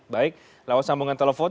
baik lawan sambungan telepon